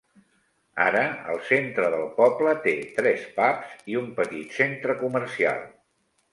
Ara el centre del poble té tres pubs i un petit centre comercial.